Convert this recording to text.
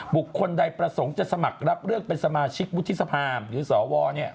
บุคคลใดประสงค์จะสมัครรับเลือกเป็นสมาชิกวุฒิสภาหรือสว